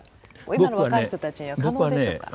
今の若い人たちには可能でしょうか？